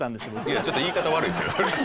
いやちょっと言い方悪いそれは。